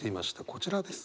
こちらです。